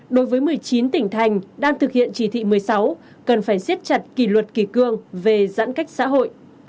đối với một mươi chín tỉnh thành đang thực hiện chỉ thị một mươi sáu cần phải siết chặt kỷ luật kỳ cương về giãn cách xã hội